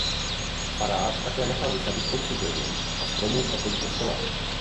Farář také nechat vysadit spoustu keřů a stromů v okolí kostela.